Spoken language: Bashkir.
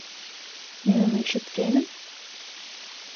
— Мин уны ишеткәйнем.